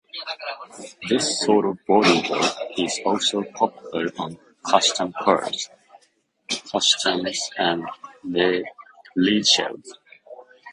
This sort of bodywork is also popular on custom cars, kustoms, and leadsleds.